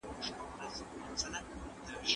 هغه خپله مځکه وپلورل.